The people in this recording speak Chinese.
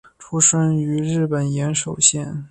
出身于日本岩手县。